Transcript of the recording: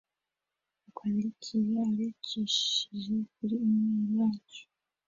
yatwandikiye abicishije kuri E-Mail yacu